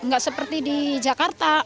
nggak seperti di jakarta